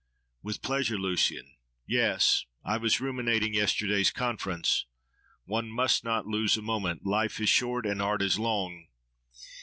—With pleasure, Lucian.—Yes! I was ruminating yesterday's conference. One must not lose a moment. Life is short and art is long!